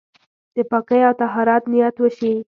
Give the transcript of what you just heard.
د پاکۍ او طهارت نيت وشي.